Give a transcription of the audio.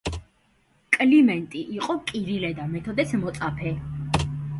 კლიმენტი იყო კირილე და მეთოდეს მოწაფე.